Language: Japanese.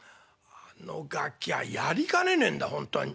「あのガキャやりかねねえんだ本当に。